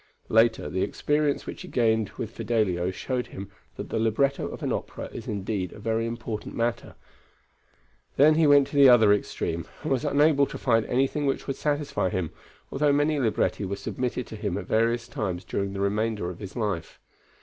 Later, the experience which he gained with Fidelio showed him that the libretto of an opera is indeed a very important matter; then he went to the other extreme, and was unable to find anything which would satisfy him, although many libretti were submitted to him at various times during the remainder of his life.